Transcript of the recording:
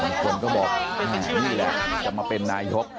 เดินยิ้มคนก็บอกอ่านี่แหละจะมาเป็นนายก